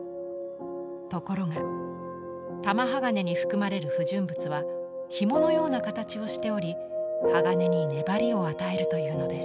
ところが玉鋼に含まれる不純物はひものような形をしており鋼に粘りを与えるというのです。